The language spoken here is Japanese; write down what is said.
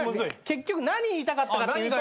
結局何言いたかったかというと。